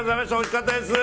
おいしかったです。